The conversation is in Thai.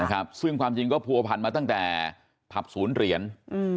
ครับซึ่งความจริงก็ผัวพันมาตั้งแต่ผับศูนย์เหรียญอืม